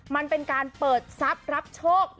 มันเป็นการเปิดทรัพย์รับโชค